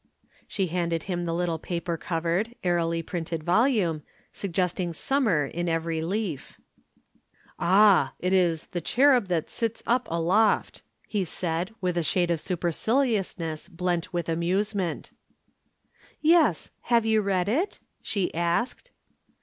She handed him the little paper covered, airily printed volume, suggesting summer in every leaf. "Ah, it is The Cherub That Sits Up Aloft!" he said, with a shade of superciliousness blent with amusement. "Yes, have you read it?" she asked.